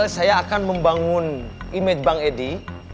saya akan membangun image bang edi